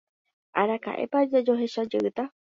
Araka'épa jajoechajeýta.